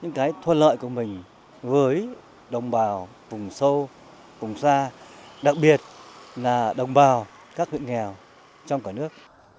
chúng tôi luôn hình thức giáo dục cho thế hệ của mình với đồng bào vùng sâu vùng xa đặc biệt là đồng bào các nguyện nghèo trong cả nước